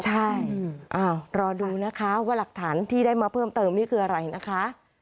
ใช่รอดูนะคะว่าหลักฐานที่ได้มาเพิ่มเติมนี่คืออะไรนะคะ